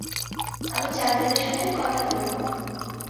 আমি চান্দেলের সাথে কথা বলব।